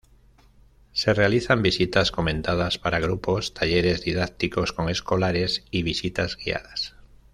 Se realizan visitas comentadas para grupos, talleres didácticos con escolares y visitas guiadas.